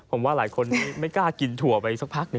อ่าผมว่าหลายคนไม่กล้ากินถั่วไปสักพัก